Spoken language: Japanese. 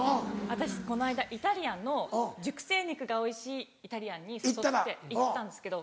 私この間イタリアンの熟成肉がおいしいイタリアンに誘われて行ったんですけど。